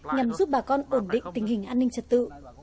nhằm giúp bà con ổn định tình hình an ninh trật tự